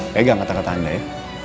pegang kata kata anda ya